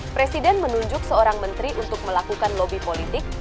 presiden menunjuk seorang menteri untuk melakukan lobby politik